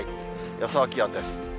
予想気温です。